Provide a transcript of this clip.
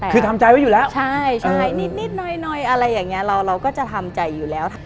คือทำใจไว้อยู่แล้วใช่นิดหน่อยอะไรอย่างนี้เราก็จะทำใจอยู่แล้ว